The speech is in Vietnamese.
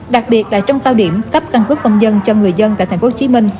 đặc biệt là trong cao điểm cấp cân cước công nhân cho người dân tại tp hcm